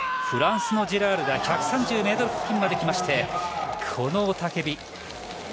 フランスのジェラールが１３０ｍ付近まで来ましてこの雄たけび。